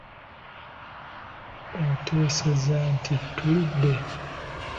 Oteesezza nti tulidde.